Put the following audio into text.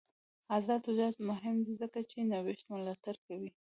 آزاد تجارت مهم دی ځکه چې نوښت ملاتړ کوي.